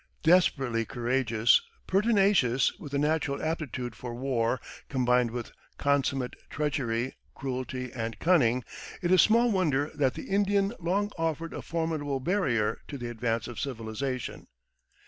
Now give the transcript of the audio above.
Desperately courageous, pertinacious, with a natural aptitude for war combined with consummate treachery, cruelty, and cunning, it is small wonder that the Indian long offered a formidable barrier to the advance of civilization.